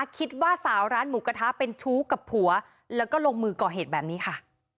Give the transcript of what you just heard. คิดว่าสาวร้านหมูกระทะเป็นชู้กับผัวแล้วก็ลงมือก่อเหตุแบบนี้ค่ะ